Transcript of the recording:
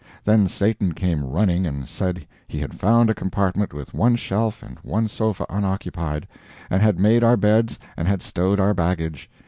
Then Satan came running and said he had found a compartment with one shelf and one sofa unoccupied, and had made our beds and had stowed our baggage.